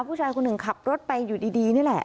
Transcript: ผู้ชายคนหนึ่งขับรถไปอยู่ดีนี่แหละ